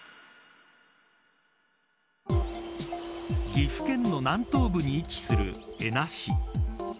岐阜県の南東部に位置する恵那市。